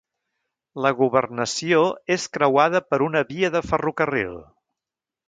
La governació és creuada per una via de ferrocarril.